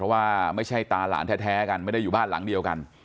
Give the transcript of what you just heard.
ว่าไม่ใช่ตาหลานแท้กันไม่ได้อยู่บ้านหลังเดียวกัน